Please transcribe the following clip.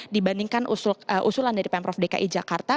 dibandingkan usulan dari pemprov dki jakarta